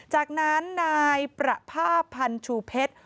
จากนั้นนายประภาพพันชูเพชร